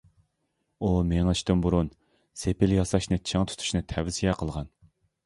ئۇ مېڭىشتىن بۇرۇن سېپىل ياساشنى چىڭ تۇتۇشنى تەۋسىيە قىلغان.